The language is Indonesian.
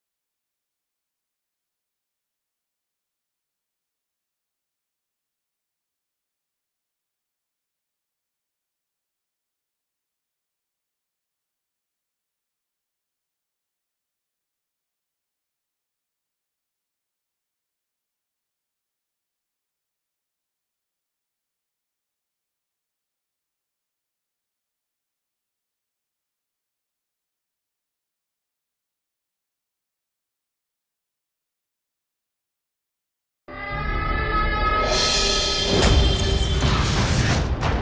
apaan saja lagi